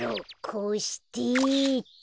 こうしてっと。